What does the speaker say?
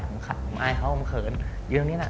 ผมขัดผมอายเขาผมเขินอยู่ตรงนี้แหละ